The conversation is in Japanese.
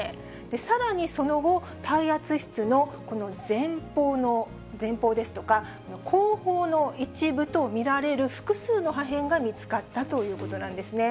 さらにその後、耐圧室のこの前方ですとか、後方の一部と見られる複数の破片が見つかったということなんですね。